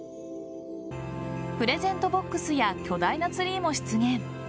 プレゼントボックスや巨大なツリーも出現。